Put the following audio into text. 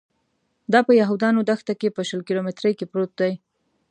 دا په یهودانو دښته کې په شل کیلومترۍ کې پروت دی.